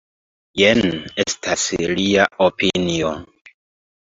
Jen estas lia opinio.